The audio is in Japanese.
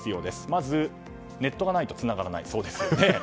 まずネットがないとつながらないそうです。